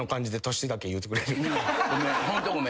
ホントごめん。